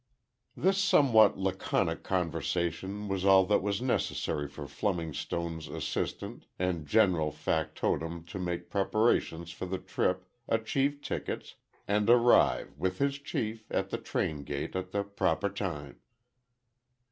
This somewhat laconic conversation was all that was necessary for Fleming Stone's assistant and general factotum to make preparations for the trip, achieve tickets, and arrive, with his chief, at the train gate at the proper time.